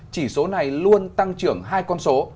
chỉ số này luôn tăng trưởng hai con số